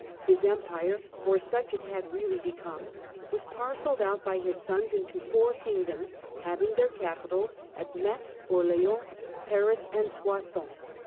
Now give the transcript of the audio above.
His Empire— for such it had really become — was parcelled out by his sons into four kingdoms, having their capitals at Metz, Orleans, Paris and Soissons.